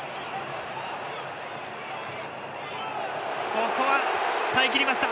ここは耐えきりました。